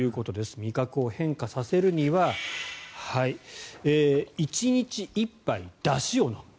味覚を変化させるには１日１杯だしを飲む。